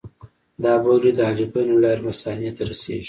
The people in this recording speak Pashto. دا بولې د حالبینو له لارې مثانې ته رسېږي.